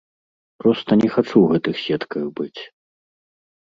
Проста не хачу ў гэтых сетках быць.